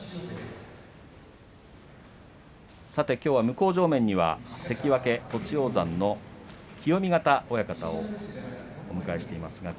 きょうは向正面には関脇栃煌山の清見潟親方をお迎えしています。